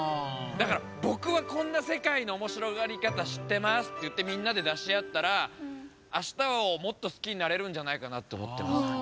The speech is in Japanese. だからぼくはこんなせかいのおもしろがりかたしってますっていってみんなでだしあったらあしたをもっとすきになれるんじゃないかなっておもってます。